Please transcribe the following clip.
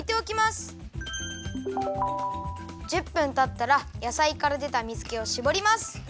１０分たったらやさいからでた水けをしぼります。